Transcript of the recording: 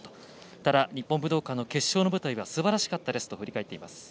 ただ日本武道館の決勝の舞台はすばらしかったですと振り返っています。